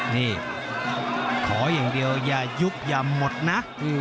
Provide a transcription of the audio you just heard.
นี่ขออย่างเดียวอย่ายุบอย่าหมดนะ